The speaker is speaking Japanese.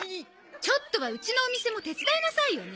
ちょっとはうちのお店も手伝いなさいよね。